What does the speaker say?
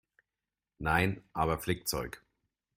Nein, aber Flickzeug.